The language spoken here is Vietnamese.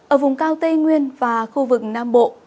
ở vùng cao tây nguyên và khu vực nam bộ